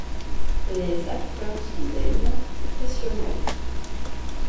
Les acteurs sont des non-professionnels.